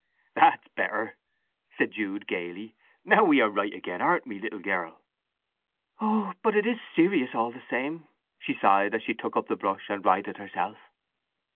"That's better," said Jude gaily. "Now we are right again, aren't we, little girl!" "Oh but it is serious, all the same!" she sighed as she took up the brush and righted herself.